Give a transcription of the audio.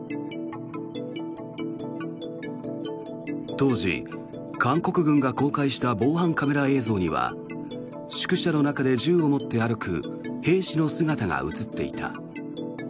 当時、韓国軍が公開した防犯カメラ映像には宿舎の中で銃を持って歩く兵士の姿が映っていた。